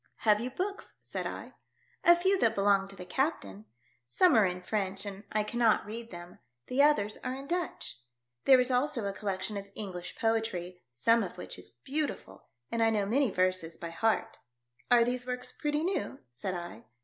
" Have you books ?" said I. *' A few that belong to the captain. Some are in French and I cannot read them. The others are in Dutch. There is also a col lection of English poetry, some of which is beautiful, and I know many verses by heart," " Are these works pretty new ?" said I.